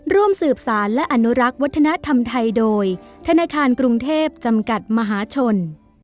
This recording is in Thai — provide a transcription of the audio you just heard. ร่วมสืบสารและอนุรักษ์วัฒนธรรมไทยโดยธนาคารกรุงเทพจำกัดมหาชน